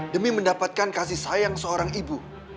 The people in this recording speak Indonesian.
demi mendapatkan kasih sayang seorang ibu